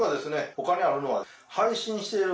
他にあるのは配信している方